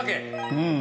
うん。